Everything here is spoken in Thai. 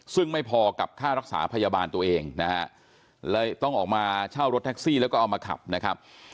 ซึ่งไม่พอกับค่ารักษาพยาบาลตัวเองนะฮะเลยต้องออกมาเช่ารถแท็กซี่แล้วก็เอามาขับนะครับ